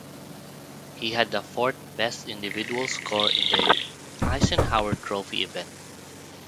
He had the fourth best individual score in the Eisenhower Trophy event.